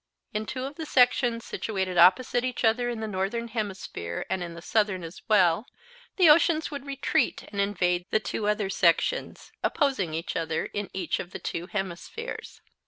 In two of the sections situated opposite each other in the northern hemisphere and in the southern as well, the oceans would retreat and invade the two other sections, opposing each other in each of the two hemispheres.